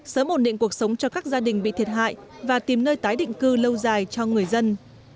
sớm ổn định cuộc sống cho các gia đình bị thiệt hại và tìm nơi tái định cư lâu dài cho người dân